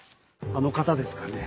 あの方ですかね。